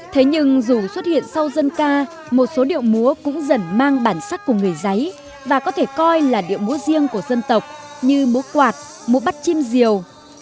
thế nhưng dù xuất hiện sau dân ca một số điệu múa cũng dần mang bản sắc của người giấy và có thể coi là điệu múa riêng của dân tộc như múa quạt múa bắt chim diều